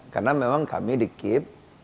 karena memang kami di kip